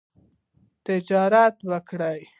تجارت وکړئ